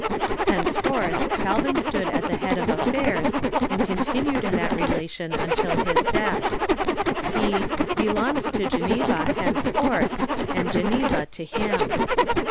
Henceforth Cal vin stood at the head of affairs, and continued in that relation until his death. He " belonged to Geneva henceforth, and Ge neva to him."